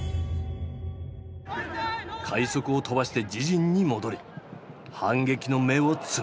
快足を飛ばして自陣に戻り反撃の芽を摘む。